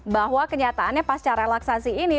bahwa kenyataannya pasca relaksasi ini